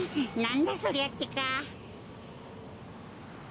なんだそりゃってか。